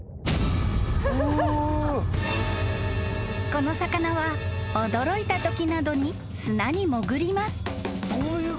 ［この魚は驚いたときなどに砂に潜ります］